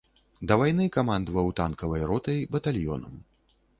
Да вайны камандаваў танкавай ротай, батальёнам.